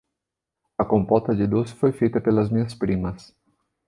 A compota de doce foi feita pelas minhas primas